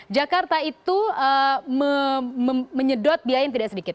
jakarta itu menyedot biaya yang tidak sedikit